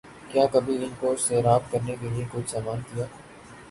کیا کبھی ان کو سیراب کرنے کیلئے کچھ سامان کیا